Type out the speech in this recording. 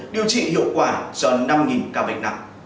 điều trị hiệu quả cho năm ca bệnh nặng